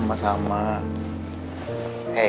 papa udah mau adopsi aura